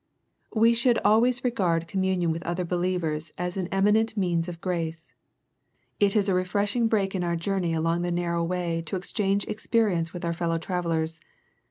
'' We should always regard communion with other be lievers as an eminent means of grace. It is a refreshing break in our journey along the narrow way to exchange experience with our fellow travellers.